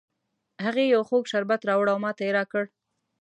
هغې یو خوږ شربت راوړ او ماته یې را کړ